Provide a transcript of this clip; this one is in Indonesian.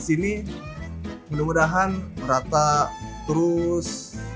sini mudah mudahan merata terus